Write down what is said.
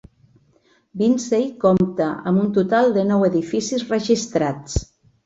Binsey compta amb un total de nou edificis registrats.